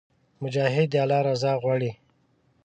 مجاهد د الله رضا غواړي.